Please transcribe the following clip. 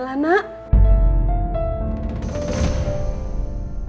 bella kamu dimana bella